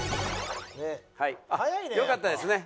よかったですね。